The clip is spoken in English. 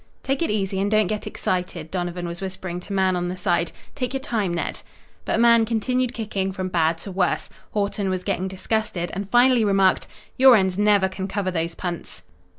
"Take it easy and don't get excited," Donovan was whispering to Mahan on the side. "Take your time, Ned." But Mahan continued kicking from bad to worse. Haughton was getting disgusted, and finally remarked: "Your ends never can cover those punts."